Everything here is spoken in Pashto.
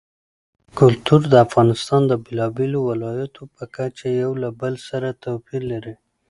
کلتور د افغانستان د بېلابېلو ولایاتو په کچه یو له بل سره توپیر لري.